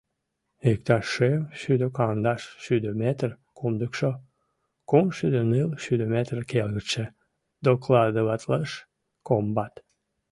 — Иктаж шым шӱдӧ-кандаш, шӱдӧ метр — кумдыкшо, кумшӱдӧ-ныл, шӱдӧ метр — келгытше, — докладыватлыш комбат.